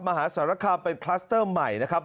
มหาสารคามเป็นคลัสเตอร์ใหม่นะครับ